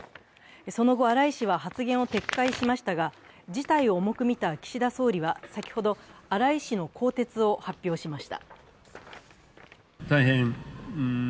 その後、荒井氏は発言を撤回しましたが事態を重く見た岸田総理は先ほど、荒井氏の更迭を発表しました。